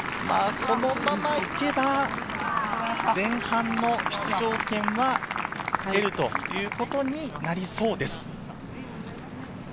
このまま行けば、前半の出場権は得るということになりそうです。